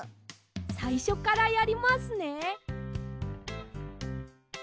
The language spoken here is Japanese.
さいしょからやりますね。